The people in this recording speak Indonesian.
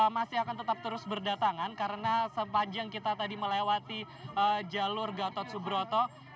masih akan tetap terus berdatangan karena sepanjang kita tadi melewati jalur gatot subroto